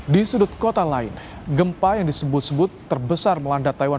di sudut kota lain gempa yang disebut sebut terbesar melanda taiwan